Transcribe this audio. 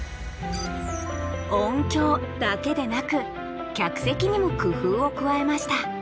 音響だけでなく客席にも工夫を加えました。